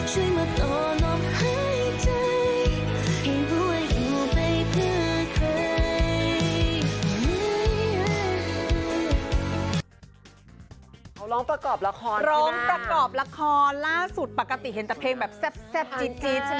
เขาร้องประกอบละครร้องประกอบละครล่าสุดปกติเห็นแต่เพลงแบบแซ่บจี๊ดใช่ไหม